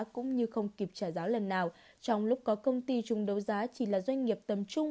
cũng như không kịp trả giáo lần nào trong lúc có công ty chung đấu giá chỉ là doanh nghiệp tầm trung